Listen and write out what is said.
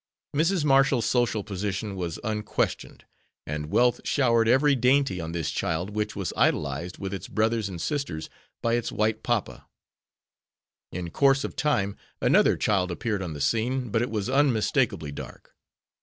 Mrs. Marshall's social position was unquestioned, and wealth showered every dainty on this child which was idolized with its brothers and sisters by its white papa. In course of time another child appeared on the scene, but it was unmistakably dark.